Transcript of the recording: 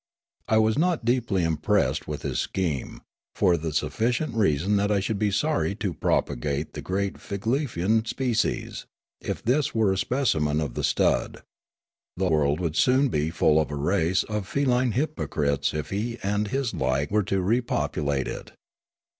I was not deeply impressed with his scheme, for the sufficient reason that I should be sorry to propagate the great Figlefian species, if this were a specimen of the stud. The world would soon be full of a race of feline hypocrites if he and his like were to repopulate it.